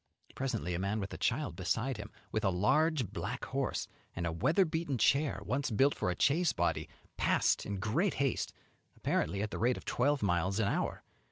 Presently a man with a child beside him, with a large black horse, and a weather beaten chair, once built for a chaise body, passed in great haste, apparently at the rate of twelve miles an hour.